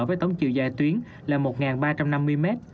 với tổng chiều dài tuyến là một ba trăm năm mươi m